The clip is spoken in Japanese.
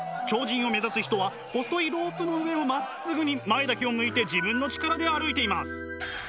超人を目指す人は細いロープの上をまっすぐに前だけを向いて自分の力で歩いています。